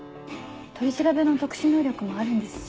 取り調べの特殊能力もあるんですし。